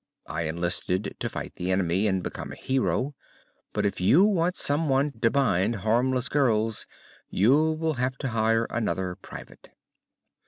I enlisted to fight the enemy and become a hero, but if you want some one to bind harmless girls you will have to hire another Private."